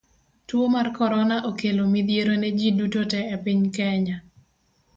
Tuo mar korona okelo midhiero ne ji duto te e piny Kenya.